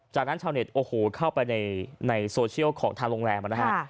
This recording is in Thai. จากนั้นชาวเน็ตโอ้โหเข้าไปในโซเชียลของทางโรงแรมนะฮะ